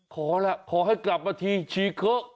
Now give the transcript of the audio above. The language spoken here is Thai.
ขอแหละขอให้กลับมาที่ฉีเค้า